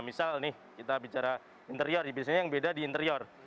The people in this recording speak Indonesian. misal nih kita bicara interior biasanya yang beda di interior